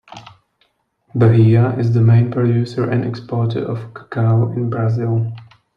Bahia is the main producer and exporter of cacao in Brazil.